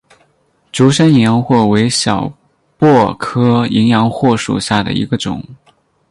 竹山淫羊藿为小檗科淫羊藿属下的一个种。